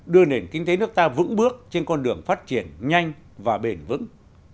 đưa nền kinh tế nước ta vững bước trên con đường phát triển nhanh và bền vững